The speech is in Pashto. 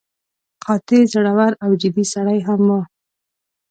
قاطع، زړور او جدي سړی هم و.